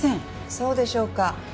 そうでしょうか？